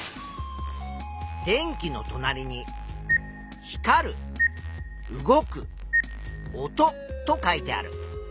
電気のとなりに「光る」「動く」「音」と書いてある。